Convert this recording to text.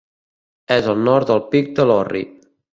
És al nord del Pic de l'Orri.